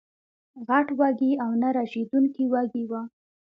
غټ وږي او نه رژېدونکي وږي وو